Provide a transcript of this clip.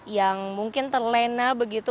yang mungkin terlena begitu